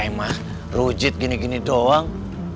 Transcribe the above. emang rujit gini gini doang